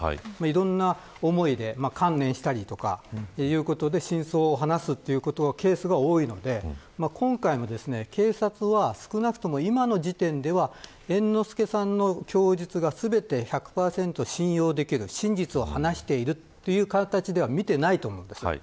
いろんな思いで、観念したりということで真相を話すケースが多いので今回も警察は少なくとも今の時点では猿之助さんの供述が全て１００％信用できる、真実を話しているという形では見ていないと思うんです。